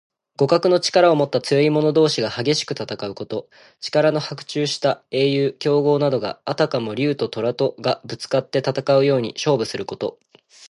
互角の力をもった強い者同士が激しく戦うこと。力の伯仲した英雄・強豪などが、あたかも竜ととらとがぶつかって戦うように勝負すること。